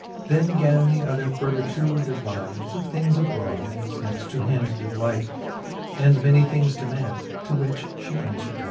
Then gan the other further to devize Of things abrode, as next to hand did light, And many things demaund, to which {he anfv/er'd light.